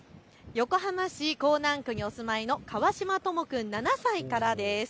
横浜市港南区にお住まいのかわしまとも君、７歳からです。